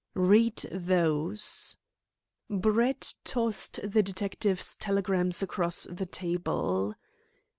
"Read those." Brett tossed the detective's telegrams across the table.